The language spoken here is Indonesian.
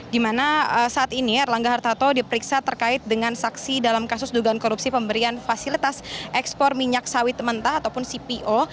di mana saat ini erlangga hartarto diperiksa terkait dengan saksi dalam kasus dugaan korupsi pemberian fasilitas ekspor minyak sawit mentah ataupun cpo